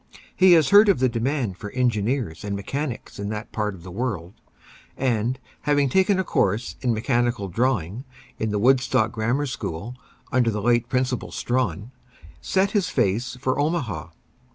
He has heard of the demand for engineers and mechanics in that part of the world, and having taken a course in mechanical drawing in the Woodstock Grammar School, under the late Principal Strauchan, sets his face for Omaha.